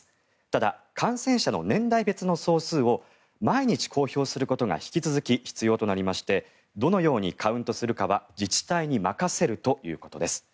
ただ、感染者の年代別の総数を毎日公表することが引き続き必要となりましてどのようにカウントするかは自治体に任せるということです。